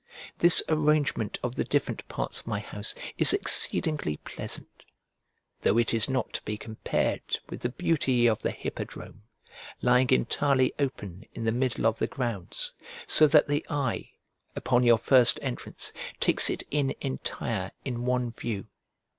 This arrangement of the different parts of my house is exceedingly pleasant, though it is not to be compared with the beauty of the hippodrome,' lying entirely open in the middle of the grounds, so that the eye, upon your first entrance, takes it in entire in one view.